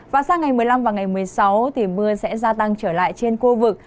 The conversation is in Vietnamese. và sang ngày một mươi năm và ngày một mươi sáu thì mưa sẽ gia tăng trở lại trên khu vực